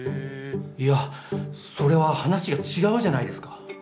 いやそれは話が違うじゃないですか。